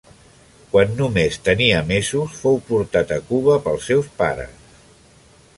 Quan només tenia mesos fou portat a Cuba pels seus pares.